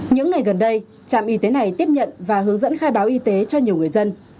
những ngày gần đây trạm y tế này tiếp nhận và hướng dẫn khai báo y tế cho nhiều người dân